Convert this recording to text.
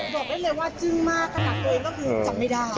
บอกได้เลยว่าจึงมากกระลังเวนก็คือจับไม่ได้